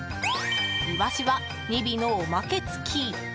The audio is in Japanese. イワシは２尾のおまけつき。